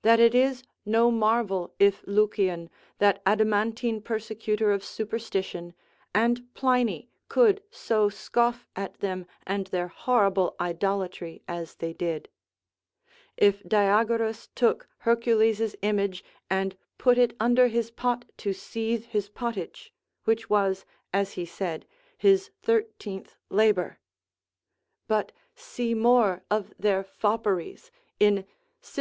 that it is no marvel if Lucian, that adamantine persecutor of superstition, and Pliny could so scoff at them and their horrible idolatry as they did; if Diagoras took Hercules' image, and put it under his pot to seethe his pottage, which was, as he said, his 13th labour. But see more of their fopperies in Cypr.